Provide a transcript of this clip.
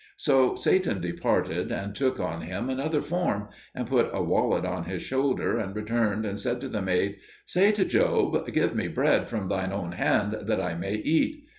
So Satan departed, and took on him another form, and put a wallet on his shoulder, and returned and said to the maid, "Say to Job, 'Give me bread from thine own hand, that I may eat.'"